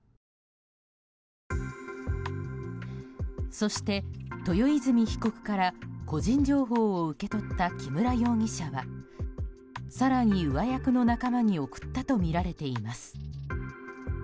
そして豊泉被告から個人情報を受け取った木村容疑者は更に上役の仲間に送ったとみられています。